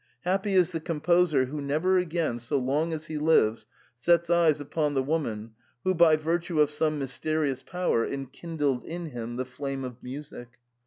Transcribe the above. Happy is the composer who never again so long as he lives sets eyes upon the woman who by virtue of some mysterious power en kindled in him the flame of music.